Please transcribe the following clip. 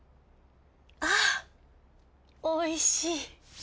あおいしい。